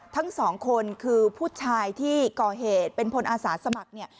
ทั้งสองคนคือผู้ชายที่ก่อเหตุเป็นพลอาสาสมัครเนี่ย